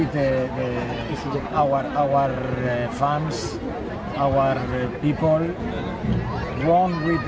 semoga dengan kemampuan kita